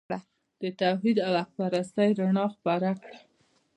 د توحید او حق پرستۍ رڼا خپره کړه.